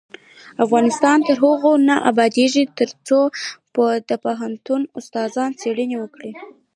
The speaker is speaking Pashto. افغانستان تر هغو نه ابادیږي، ترڅو د پوهنتون استادان څیړنې ونکړي.